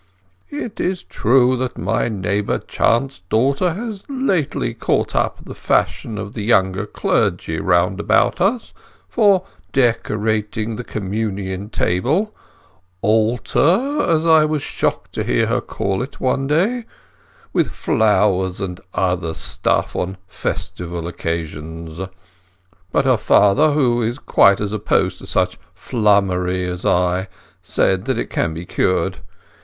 It is true that my neighbour Chant's daughter had lately caught up the fashion of the younger clergy round about us for decorating the Communion table—alter, as I was shocked to hear her call it one day—with flowers and other stuff on festival occasions. But her father, who is quite as opposed to such flummery as I, says that can be cured.